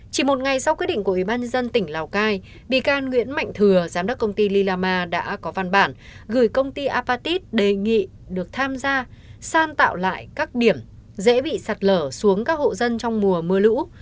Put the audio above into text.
chỉ một ngày sau quyết định của ủy ban nhân dân tỉnh lào cai bị can nguyễn mạnh thừa giám đốc công ty lilama đã có văn bản gửi công ty apatit đề nghị được tham gia sang tạo lại các điểm dễ bị sạt lở xuống các hộ dân trong mùa mưa lũ